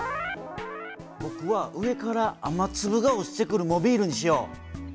ぼくは上から雨つぶが落ちてくるモビールにしよう。